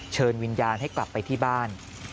เชิญวิญญาณให้กลับไปที่บ้าน